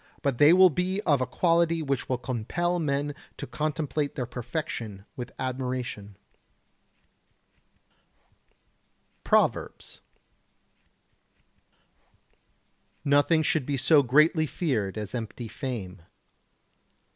But they will be of a quality which will compel men to contemplate their perfection with admiration. [Sidenote: Proverbs] 111. Nothing should be so greatly feared as empty fame.